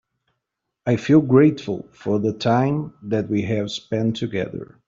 I feel grateful for the time that we have spend together.